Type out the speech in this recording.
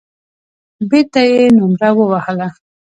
بېرته يې نومره ووهله.